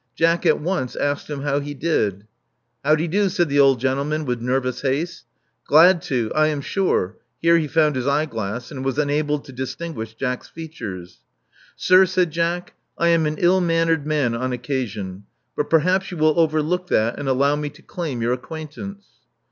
Jack at once asked him how he did. IIo\v de do/* said the old gentleman with nervous haste. '*Glad to — I am sure. Here he found his eye i^lass, and was enabled to distinguish Jack's features. '*Sir, said Jack: I am an ill mannered man on occasion ; but perhaps you will overlook that and allow me to claim your acquaintance.